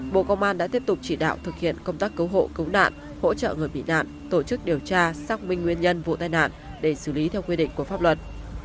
bộ công an đã tiếp tục chỉ đạo thực hiện công tác cứu hộ cứu nạn hỗ trợ người bị nạn tổ chức điều tra xác minh nguyên nhân vụ tai nạn để xử lý theo quy định của pháp luật